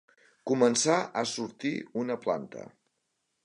Començar a sortir una planta.